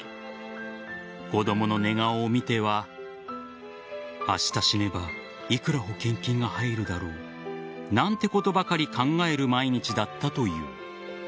子供の寝顔を見ては明日、死ねば幾ら保険金が入るだろうなんてことばかり考える毎日だったという。